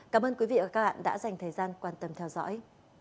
cảm ơn quý vị và các bạn đã dành thời gian quan tâm theo dõi